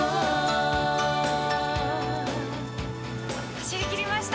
走りきりました。